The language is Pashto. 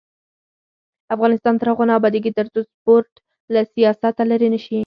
افغانستان تر هغو نه ابادیږي، ترڅو سپورټ له سیاسته لرې نشي.